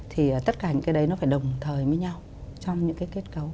thì tất cả những cái đấy nó phải đồng thời với nhau trong những cái kết cấu